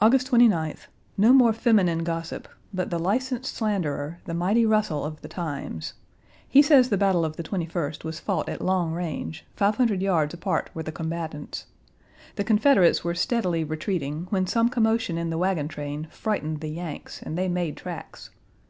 August 29th. No more feminine gossip, but the licensed slanderer, the mighty Russell, of the Times. He says the battle of the 21st was fought at long range: 500 yards apart were the combatants. The Confederates were steadily retreating when some commotion in the wagon train frightened the "Yanks," and they made tracks.